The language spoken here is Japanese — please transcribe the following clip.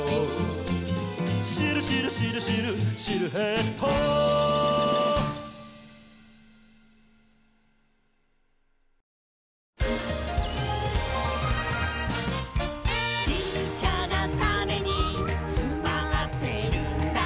「シルシルシルシルシルエット」「ちっちゃなタネにつまってるんだ」